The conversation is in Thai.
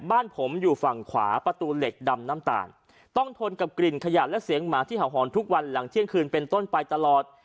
บ้านผมอยู่ฝั่งขวาประตูเหล็กดำน้ำตาลต้องทนกับกลิ่นขยะและเสียงหมาที่เห่าหอนทุกวันหลังเที่ยงคืนเป็นต้นไปตลอด